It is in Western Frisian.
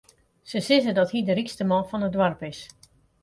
Se sizze dat hy de rykste man fan it doarp is.